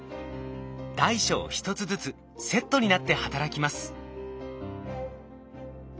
大小１つずつセットになって働きます。